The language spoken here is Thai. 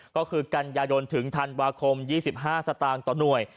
ก็คือกันยายนถึงธันวาคม๒๕สตางค์ต่อหน่วย